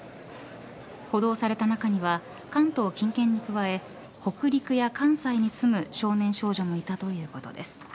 補導された中には関東近県に加え北陸や関西に住む少年少女もいたということです。